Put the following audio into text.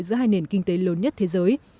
giữa hai nền kinh tế lớn nhất thế giới